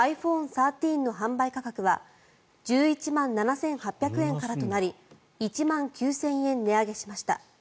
１３の販売価格は１１万７８００円からとなり１万９０００円値上げしました。